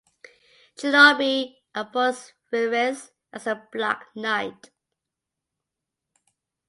Shinobi appoints Fenris as the Black Knight.